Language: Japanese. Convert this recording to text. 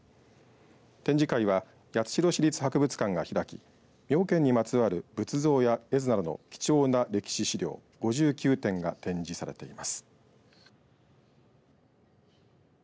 展示会は、八代市立博物館が開き妙見にまつわる仏像や絵図などの貴重な歴史資料５９点が展示されています。